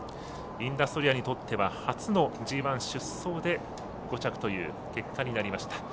インダストリアにとっては初のＧＩ出走で５着という結果になりました。